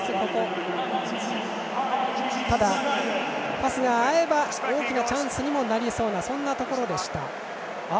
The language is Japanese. パスが合えば大きなチャンスにもなりそうな、そんなところでした。